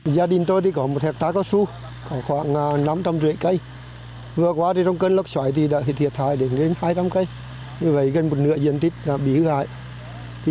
cây cao xu có khoảng năm trăm linh rễ cây vừa qua trong cơn lốc xoáy thì thiệt hại đến hai trăm linh cây gần một nửa diện tích bị hư hại